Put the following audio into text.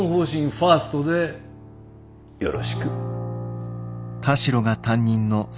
ファーストでよろしく。